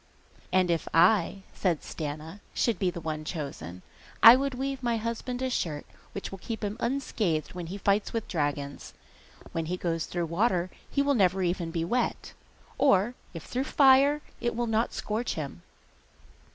'And if I,' said Stana, 'should be the one chosen, I would weave my husband a shirt which will keep him unscathed when he fights with dragons; when he goes through water he will never even be wet; or if through fire, it will not scorch him.